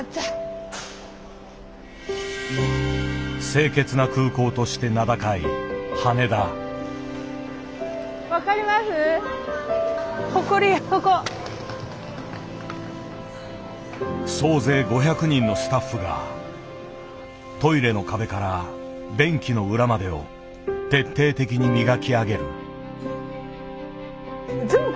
清潔な空港として名高い総勢５００人のスタッフがトイレの壁から便器の裏までを徹底的に磨き上げる。